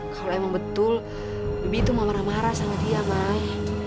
kalau emang betul bibi itu mau marah marah sama dia bang